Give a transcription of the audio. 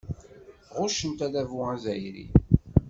Ɣuccent adabu azzayri.